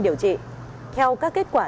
điều trị theo các kết quả